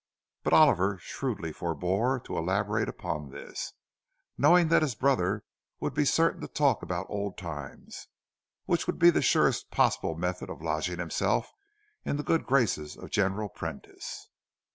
But Oliver shrewdly forbore to elaborate upon this, knowing that his brother would be certain to talk about old times, which would be the surest possible method of lodging himself in the good graces of General Prentice.